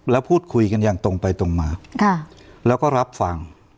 แล้วพูดคุยกันอย่างตรงไปตรงมาแล้วก็รับฟัง